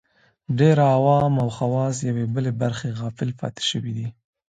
ډېر عوام او خواص یوې بلې برخې غافل پاتې شوي دي